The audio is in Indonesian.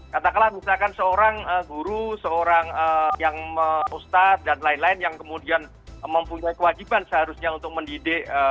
katakanlah misalkan seorang guru seorang yang ustadz dan lain lain yang kemudian mempunyai kewajiban seharusnya untuk mendidik